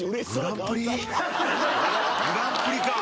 『グランプリ』か。